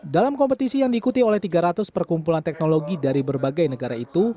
dalam kompetisi yang diikuti oleh tiga ratus perkumpulan teknologi dari berbagai negara itu